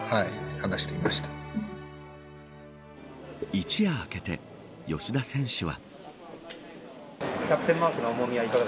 一夜明けて吉田選手は。